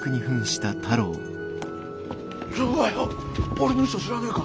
俺の衣装知らねえか？